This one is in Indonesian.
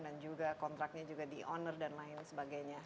dan juga kontraknya juga di owner dan lain sebagainya